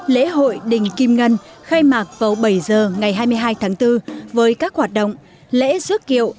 lễ hội đình kim ngân khai mạc vào bảy giờ ngày hai mươi hai tháng bốn với các hoạt động lễ dước kiệu